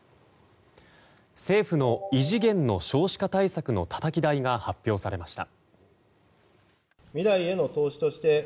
政府の異次元の少子化対策のたたき台が発表されました。